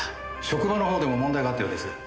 職場の方でも問題があったようです。